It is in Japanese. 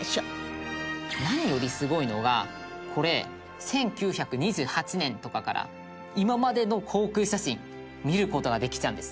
何よりすごいのがこれ１９２８年とかから今までの航空写真見る事ができちゃうんです。